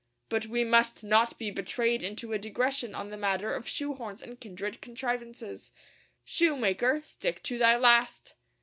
But we must not be betrayed into a digression on the matter of shoe horns and kindred contrivances. Shoemaker, stick to thy last!